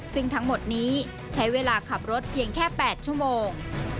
ซึ่งทั้งหมดนี้ใช้เวลาขับรถเพียงแค่๘ชั่วโมง